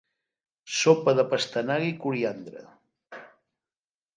Sopa de pastanaga i coriandre.